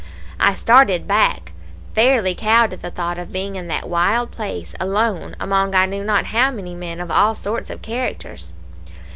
"I started back, fairly cowed at the thought of being in that wild place alone, among I knew not how many men of all sorts of characters.